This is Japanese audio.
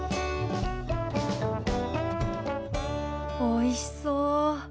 おいしそう。